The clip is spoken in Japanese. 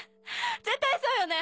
絶対そうよね？